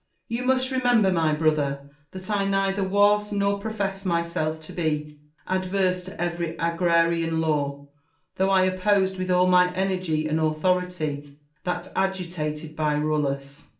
Marcus. You must remember, my l)rother, that I neither was nor professed myself to be adverse to every agrarian law, though I opposed with all my energy and authoi'ity that agitated by Rullus.